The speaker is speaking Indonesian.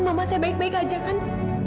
mama saya baik baik aja kan